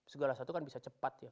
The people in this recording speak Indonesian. segala satu kan bisa cepat ya